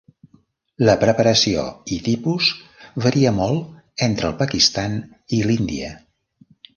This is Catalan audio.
La preparació i tipus varia molt entre el Pakistan i l'Índia.